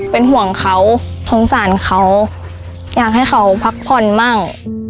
เป็นห่วงเขาสงสารเขาอยากให้เขาพักผ่อนมั่ง